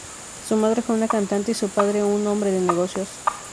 Su madre fue una cantante y su padre un hombre de negocios.